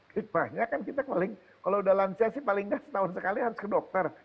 hikmahnya kan kita paling kalau udah lansia sih paling nggak setahun sekali harus ke dokter